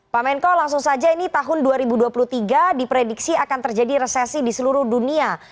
pak menko langsung saja ini tahun dua ribu dua puluh tiga diprediksi akan terjadi resesi di seluruh dunia